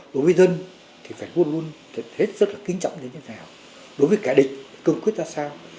đối với dân thì phải luôn luôn hết sức là kính trọng đến thế nào đối với cả địch cơm quyết ra sao